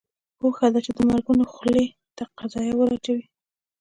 پوهه ده چې د مرګونو خولې ته قیضه ور اچوي.